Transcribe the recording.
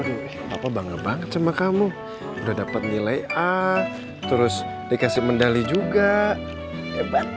oh sayang waduh aduh papa bangga banget sama kamu udah dapet nilai a terus dikasih mendali juga hebat